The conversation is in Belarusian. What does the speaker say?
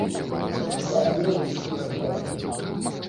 Шалясцяць белыя лісткі паперы.